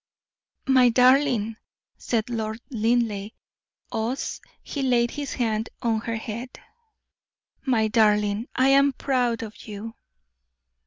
"My darling," said Lord Linleigh, us he laid his hand on her head, "my darling, I am proud of you."